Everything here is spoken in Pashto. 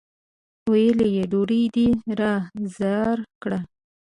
ويې ويل: ډوډۍ دې را زار کړه!